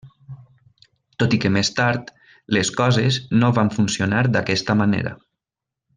Tot i que més tard, les coses no van funcionar d'aquesta manera.